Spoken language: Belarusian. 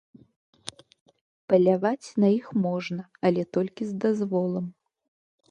Паляваць на іх можна, але толькі з дазволам.